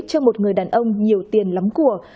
cho một người đàn ông nhiều tiền lắm của